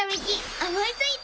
おもいついた！